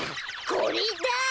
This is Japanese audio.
これだ。